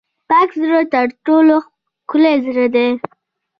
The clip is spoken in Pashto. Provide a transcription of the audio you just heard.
پاک زړه تر ټولو ښکلی زړه دی.